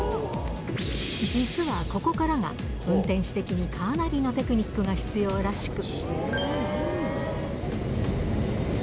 実はここからが、運転士的にかなりのテクニックが必要らしく。